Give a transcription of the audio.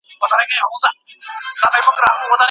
د پوهي ارزښت له سند لوړ وي.